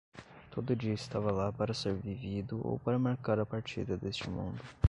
Todo dia estava lá para ser vivido ou para marcar a partida deste mundo.